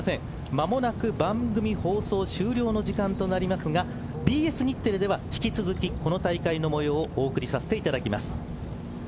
間もなく番組放送終了の時間となりますがＢＳ日テレでは引き続きこの大会の模様をお送りさせていただきます。